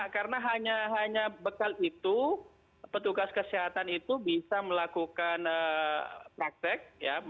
karena hanya bekal itu petugas kesehatan itu bisa melakukan praktek